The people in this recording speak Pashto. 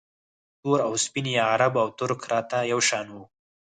تور او سپین یا عرب او ترک راته یو شان وو